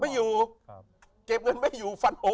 ไม่อยู่เก็บเงินไม่อยู่ฟันโอ